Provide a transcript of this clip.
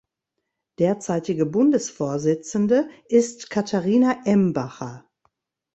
Derzeitige Bundesvorsitzende ist Katharina Embacher.